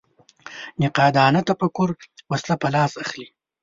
نقادانه تفکر وسله په لاس اخلي